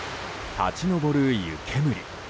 立ち上る湯煙。